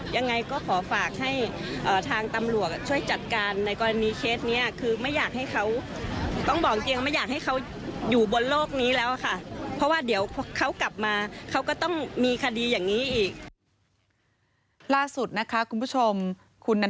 ยังไงก็ขอฝากให้